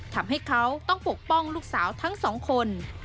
ทำให้เขาต้องปกป้องลูกสาวทั้งสองคน